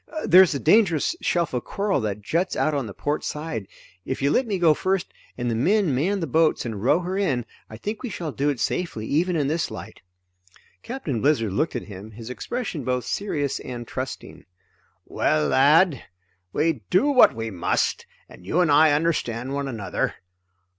"There's a dangerous shelf of coral that juts out on the port side if you let me go first, and the men man the boats and row her in, I think we shall do it safely even in this light." Captain Blizzard looked at him, his expression both serious and trusting. "Well lad, we do what we must, and you and I understand one another.